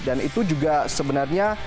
dan itu juga sebenarnya